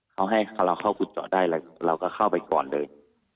เขาให้เราเข้าขุดเจาะได้แล้วเราก็เข้าไปก่อนเลย